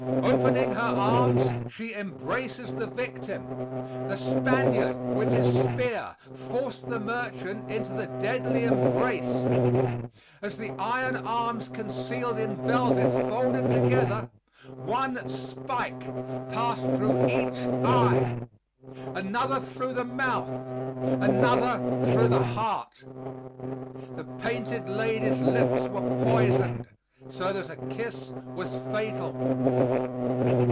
Opening her arms, she embraces the victim. The Spaniard, with his spear, forced the merchant into the deadly embrace. As the iron arms concealed in velvet folded together, one spike passed through each eye, another through the mouth, another through the heart. The Painted Lady's lips were poisoned, so that a kiss was fatal.